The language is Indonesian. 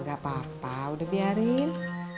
gak apa apa udah biarin